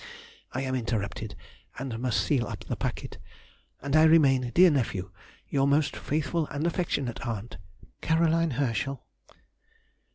I am interrupted, and must seal up the packet. And I remain, dear nephew, Your most faithful and affectionate aunt, CAR. HERSCHEL.